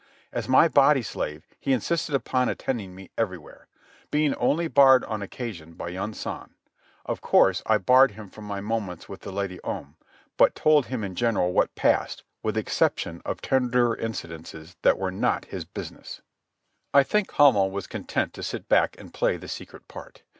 As my body slave he insisted upon attending me everywhere; being only barred on occasion by Yunsan. Of course I barred him from my moments with the Lady Om, but told him in general what passed, with exception of tenderer incidents that were not his business. I think Hamel was content to sit back and play the secret part.